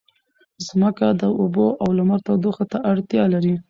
ځمکه د اوبو او لمر تودوخې ته اړتیا لري.